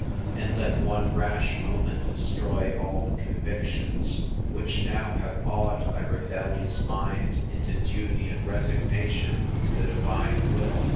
and let one rash moment destroy all the convictions, which now have awed thy rebellious mind into duty and resignation to the divine will!